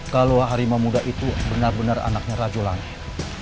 kalau harimau muda itu benar benar anaknya rajo langit